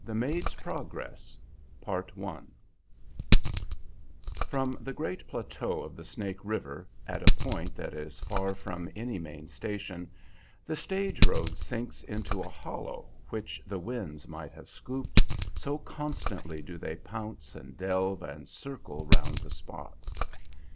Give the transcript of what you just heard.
THE MAID'S PROGRESS From the great plateau of the Snake River, at a point that is far from any main station, the stage road sinks into a hollow which the winds might have scooped, so constantly do they pounce and delve and circle round the spot.